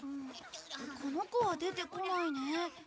この子は出てこないねえ。